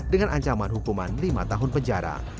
dengan ancaman hukuman lima tahun penjara